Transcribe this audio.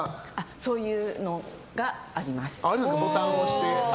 そういうのがあります。